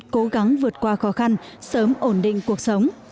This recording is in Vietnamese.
cố gắng vượt qua khó khăn sớm ổn định cuộc sống